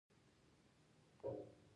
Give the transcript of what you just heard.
د خلکو باور د تجارت خزانه ده.